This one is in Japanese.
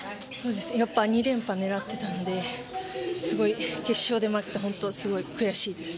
やっぱ２連覇狙っていたので決勝で負けてすごい悔しいです。